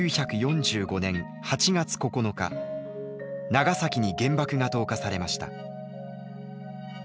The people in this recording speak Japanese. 長崎に原爆が投下されました。